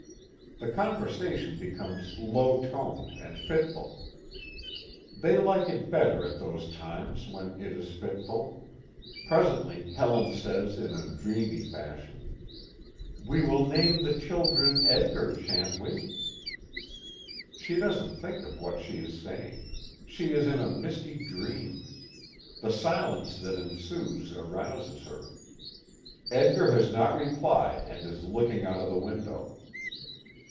The conversation becomes low toned and fitful. They like it better at those times when it is fitful. Presently, Helen says in a dreamy fashion: "We will name the children 'Edgar,' shan't we?" She doesn't think of what she is saying. She is in a misty dream. The silence that ensues arouses her. Edgar has not replied, and is looking out of the window.